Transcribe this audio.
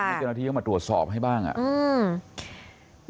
ไม่เจอที่เข้ามาตรวจสอบให้บ้างอ่ะ